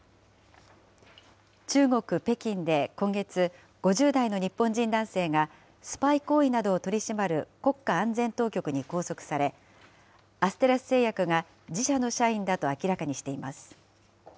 中国・北京で今月、５０代の日本人男性がスパイ行為などを取り締まる国家安全当局に拘束され、アステラス製薬が自社の社員だと明らかにしています。